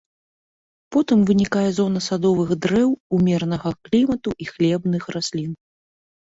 Потым вынікае зона садовых дрэў умеранага клімату і хлебных раслін.